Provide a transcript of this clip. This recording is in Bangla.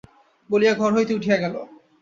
বলিয়া ঘর হইতে উঠিয়া গেল।